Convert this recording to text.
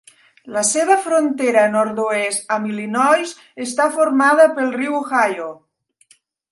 La seva frontera nord-oest amb Illinois està formada pel riu Ohio.